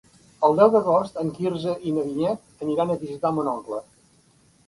El deu d'agost en Quirze i na Vinyet aniran a visitar mon oncle.